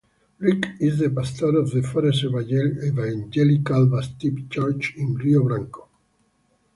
Rick is the pastor of the Forest Evangelical Baptist Church in Rio Branco.